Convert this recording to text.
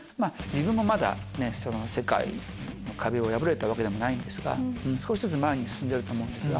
自分もまだ世界の壁を破れたわけでもないんですが少しずつ前に進んでると思うんです。